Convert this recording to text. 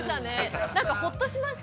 ほっとしました。